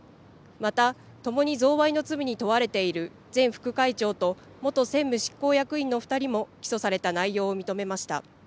また、ともに贈賄の罪に問われている前副会長と元専務執行役員の２人も起訴された内容を認めました。